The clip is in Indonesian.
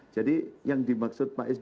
jadi yang dimaksud pak ibu itu